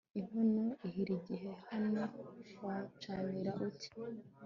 inkono ihira igihe, n'aho wacanira ute